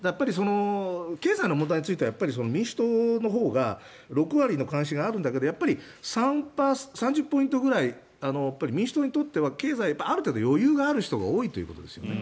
経済の問題については民主党のほうが６割の関心があるんだけどやっぱり３０ポイントくらい民主党にとっては経済、ある程度余裕がある人が多いということですよね。